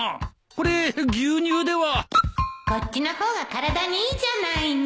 こっちの方が体にいいじゃないの